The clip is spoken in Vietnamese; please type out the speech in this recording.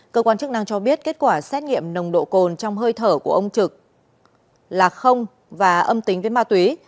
cơ quan chức năng cho biết kết quả xét nghiệm nồng độ cồn trong hơi thở của ông trực là không và âm tính với ma túy